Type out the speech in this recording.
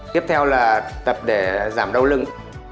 tiếp theo là tập để giảm đau lưng